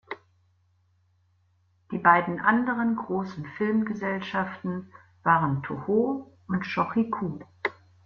Die beiden anderen großen Filmgesellschaften waren Tōhō und Shōchiku.